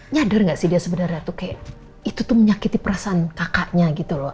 nyadar nggak sih dia sebenarnya tuh kayak itu tuh menyakiti perasaan kakaknya gitu loh